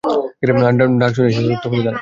ডাক শুনেই সে থমকে দাঁড়ায়।